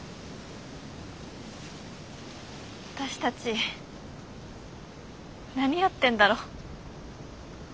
私たち何やってんだろう。